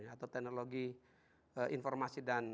atau teknologi informasi dan